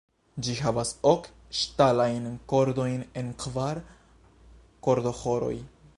Ĝi havas ok ŝtalajn kordojn en kvar kordoĥoroj.